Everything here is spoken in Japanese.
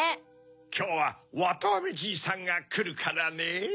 きょうはわたあめじいさんがくるからねぇ。